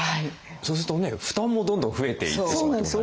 そうすると負担もどんどん増えていってしまうってことになりますよね。